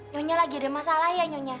nyonya lagi ada masalah ya nyonya